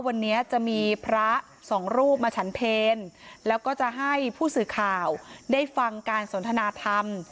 วันนี้จะมีพระสองรูปมาฉันเพลแล้วก็จะให้ผู้สื่อข่าวได้ฟังการสนทนาธรรม